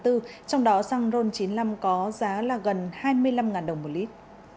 trong đó xăng ron chín mươi năm có giá là gần hai mươi năm đồng một lít